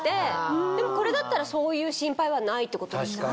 でもこれだったらそういう心配はないってことですよね。